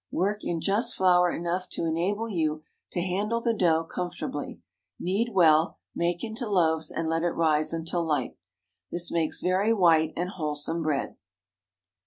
Work in just flour enough to enable you to handle the dough comfortably; knead well, make into loaves, and let it rise until light. This makes very white and wholesome bread.